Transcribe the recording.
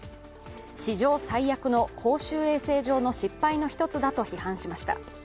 史上最悪の公衆衛生上の失敗の一つだと批判しました。